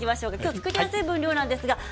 作りやすい分量です。